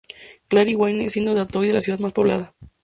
Clair y Wayne, siendo Detroit la ciudad más poblada.